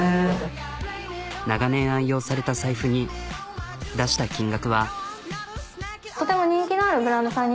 長年愛用された財布に出した金額は。